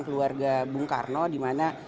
keluarga bung karno dimana